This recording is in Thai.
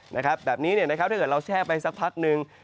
นะครับแบบนี้ถ้าเกิดเราแช่ไปสักพักหนึ่ง